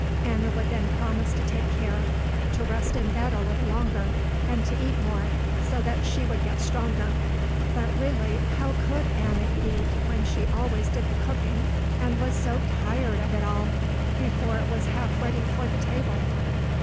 Anna would then promise to take care, to rest in bed a little longer and to eat more so that she would get stronger, but really how could Anna eat when she always did the cooking and was so tired of it all, before it was half ready for the table?